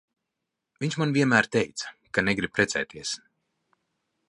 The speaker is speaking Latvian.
Viņš man vienmēr teica, ka negrib precēties.